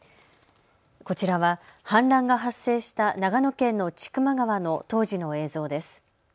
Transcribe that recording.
こちらは氾濫が発生した長野県の千曲川の当時の映像です。